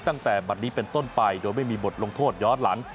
ตั้งแต่บัตรนี้เป็นต้นไปโดยไม่มีบทลงโทษย้อนหลัง